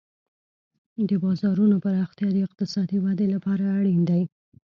د بازارونو پراختیا د اقتصادي ودې لپاره اړین دی.